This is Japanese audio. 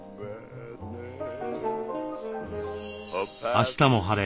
「あしたも晴れ！